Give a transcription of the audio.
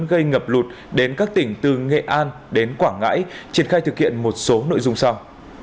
gây ngập lụt đến các tỉnh từ nghệ an đến quảng ngãi triển khai thực hiện một số nội dung sau